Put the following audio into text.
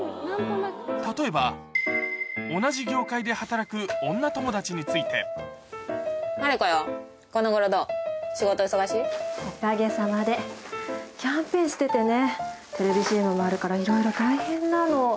例えば、同じ業界で働く女友達にマリコよ、このごろどーお、おかげさまで、キャンペーンしててね、テレビＣＭもあるからいろいろ大変なの。